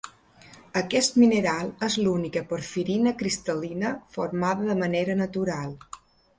Aquest mineral és l'única porfirina cristal·lina formada de manera natural.